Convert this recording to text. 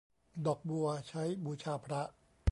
ดอกบัวใช้บูชาพระ